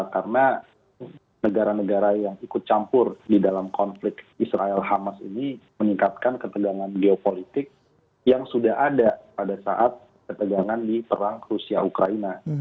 karena negara negara yang ikut campur di dalam konflik israel hamas ini meningkatkan ketegangan geopolitik yang sudah ada pada saat ketegangan di perang rusia ukraina